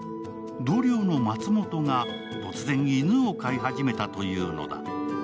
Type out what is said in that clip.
同僚の松本が突然、犬を飼い始めたというのだ。